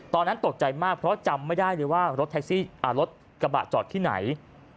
ตอนนั้นตกใจมากเพราะจำไม่ได้เลยว่ารถกระบะจอดที่ไหน